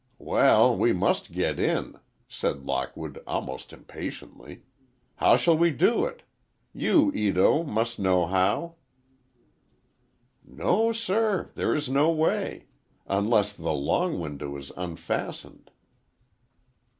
"Well, we must get in," said Lockwood, almost impatiently. "How shall we do it? You, Ito, must know how." "No, sir, there is no way. Unless, the long window is unfastened."